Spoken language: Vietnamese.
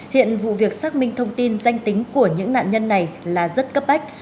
hiện vụ việc xác minh thông tin danh tính của những nạn nhân này là rất cấp bách